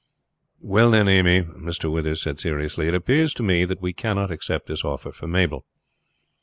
"Well, then, Amy," Mr. Withers said seriously, "it appears to me that we cannot accept this offer for Mabel."